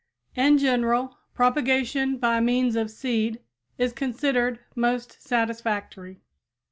In general, propagation by means of seed is considered most satisfactory.